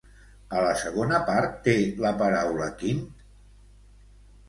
A la segona part té la paraula Quint?